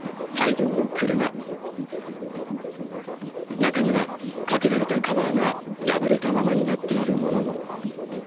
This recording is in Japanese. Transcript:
中には、かけられたカバーが破れたままになっているものも。